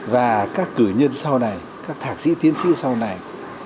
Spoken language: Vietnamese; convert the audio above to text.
và các cử nhân sau này các thạc sĩ tiến sĩ sau này